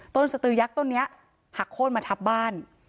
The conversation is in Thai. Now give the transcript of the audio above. สตือยักษ์ต้นนี้หักโค้นมาทับบ้าน